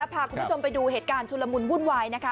พาคุณผู้ชมไปดูเหตุการณ์ชุลมุนวุ่นวายนะคะ